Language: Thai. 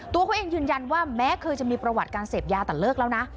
ตัวเขาเองยืนยันว่าแม้เคยจะมีประวัติการเสพยาแต่เลิกแล้วนะ